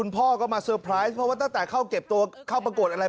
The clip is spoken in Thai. พี่พี่ใจกันไง